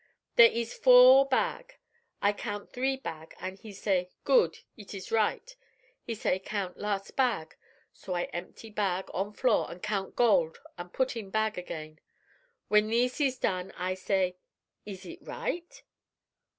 There ees four bag. I count three bag an' he say good, it ees right. He say count last bag. So I empty bag on floor an' count gold an' put in bag again. When thees ees done I say: 'Is eet right?